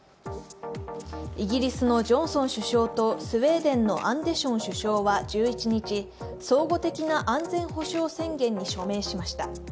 イギリスのジョンソン首相とスウェーデンのアンデション首相は１１日相互的な安全保障宣言に署名しました。